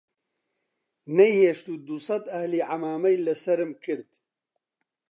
نەیهێشت و دووسەد ئەهلی عەمامەی لە سەرم کرد